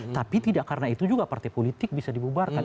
tapi tidak karena itu juga partai politik bisa dibubarkan